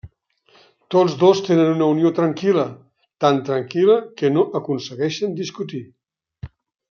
Tots dos tenen una unió tranquil·la, tan tranquil·la que no aconsegueixen discutir.